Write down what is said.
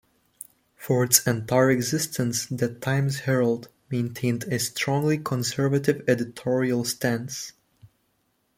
For its entire existence, the "Times-Herald" maintained a strongly conservative editorial stance.